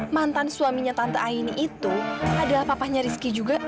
mantan suaminya tante aini itu adalah papanya rizky juga